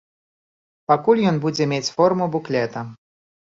Пакуль ён будзе мець форму буклета.